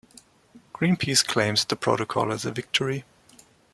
Greenpeace claims the protocol as a victory.